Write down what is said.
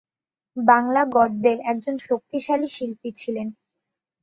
বাংলা গদ্যের একজন শক্তিশালী শিল্পী ছিলেন।